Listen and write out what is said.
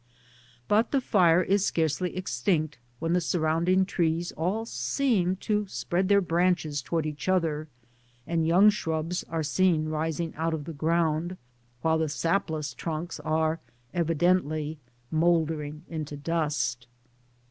But the fire is scarcely extinct, when the surrounding trees all seem to spread th^ branches towards each other, and young shrubs are seen rising out of the ground, while the sapless trunks are evidently mouldering into dust.